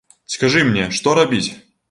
Скажы мне, што рабіць?